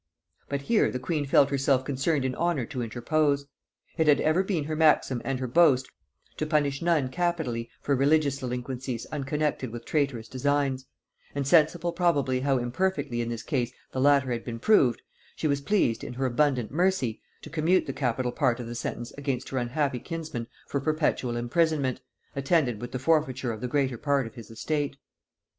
But here the queen felt herself concerned in honor to interpose. It had ever been her maxim and her boast, to punish none capitally for religious delinquencies unconnected with traitorous designs; and sensible probably how imperfectly in this case the latter had been proved, she was pleased, in her abundant mercy, to commute the capital part of the sentence against her unhappy kinsman for perpetual imprisonment, attended with the forfeiture of the greater part of his estate.